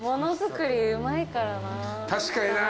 確かにな。